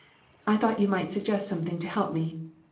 I thought you might suggest something to help me.